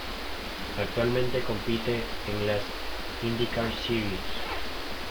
Actualmente compite en las IndyCar Series.